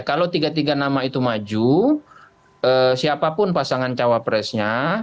kalau tiga tiga nama itu maju siapapun pasangan cawapresnya